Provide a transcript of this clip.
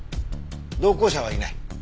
同行者はいない。